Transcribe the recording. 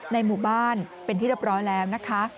ในหมู่บ้านเป็นที่เรียบร้อยแล้วนะคะ